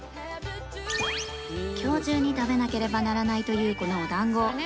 今日中に食べなければならないというこのおだんご